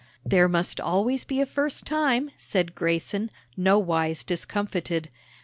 "There must always be a first time," said Grayson, nowise discomfited.